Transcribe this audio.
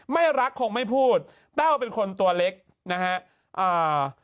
ไม่รักคงไม่พูดแต้วเป็นคนตัวเล็กนะฮะอ่า